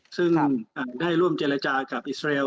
ซึ่งได้ร่วมเจรจากับอิสราเอล